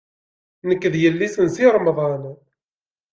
Nekk d yelli-s n Si Remḍan.